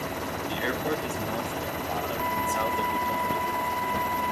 The airport is north of Bata and south of Utonde.